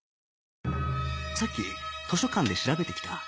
さっき図書館で調べてきた